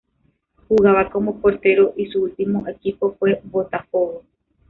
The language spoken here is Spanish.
Jugaba como portero y su último equipo fue Botafogo.